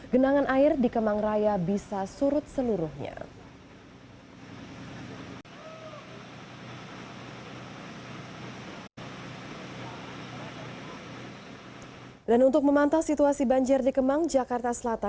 genangan air di kemang raya bisa surut seluruhnya